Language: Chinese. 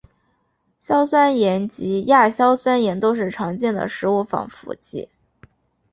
硝酸盐及亚硝酸盐都是常见的食物防腐剂。